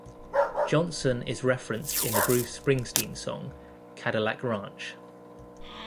Johnson is referenced in the Bruce Springsteen song "Cadillac Ranch".